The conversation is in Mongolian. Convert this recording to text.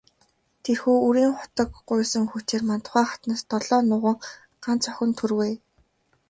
Тэрхүү үрийн хутаг гуйсан хүчээр Мандухай хатнаас долоон нуган, гагц охин төрвэй.